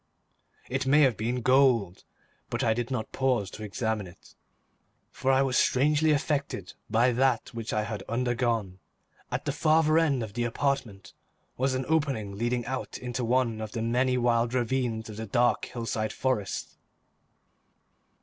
It may have been gold, but I did not pause to examine it, for I was strangely affected by that which I had undergone. At the farther end of the apartment was an opening leading out into one of the many wild ravines of the dark hillside forest.